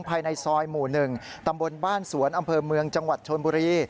ภายในซอยหมู่๑ตำบลบ้านสวนอำเภอเมืองจังหวัดชนบุรี